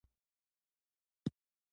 په رسمي جریده کې خپور او